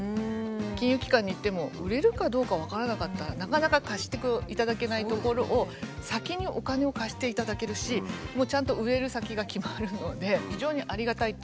金融機関に行っても売れるかどうか分からなかったらなかなか貸していただけないところを先にお金を貸していただけるしもうちゃんと売れる先が決まるので非常にありがたいっていう。